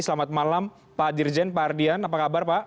selamat malam pak dirjen pak ardian apa kabar pak